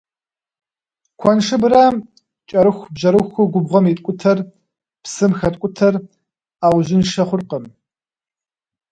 Куэншыбрэ кӏэрыхубжьэрыхуу губгъуэм иткӏутэр, псым хэткӏутэр ӏэужьыншэ хъуркъым.